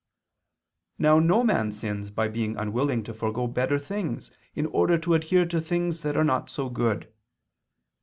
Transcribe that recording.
Now no man sins by being unwilling to forgo better things in order to adhere to things that are not so good.